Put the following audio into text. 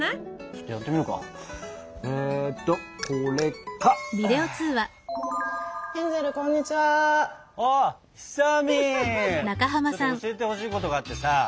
ちょっと教えてほしいことがあってさ。